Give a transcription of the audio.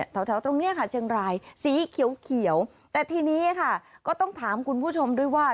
แถวตรงนี้ค่ะเชียงรายสีเขียวแต่ทีนี้ค่ะก็ต้องถามคุณผู้ชมด้วยว่า